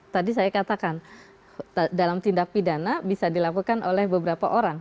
tadi saya katakan dalam tindak pidana bisa dilakukan oleh beberapa orang